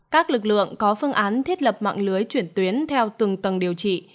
các lực lượng có phương án thiết lập mạng lưới chuyển tuyến theo từng tầng điều trị